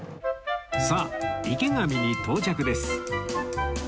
さあ池上に到着です